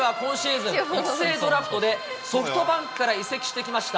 投げては今シーズン、育成ドラフトでソフトバンクから移籍してきました